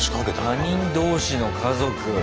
他人同士の家族。